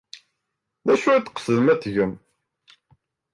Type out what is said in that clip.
D acu i tqesdem ad t-tgem?